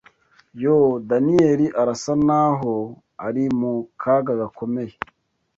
YOO! Daniyeli arasa n’aho ari mu kaga gakomeye